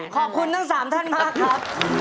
ขอบคุณทั้งสามท่านมากครับ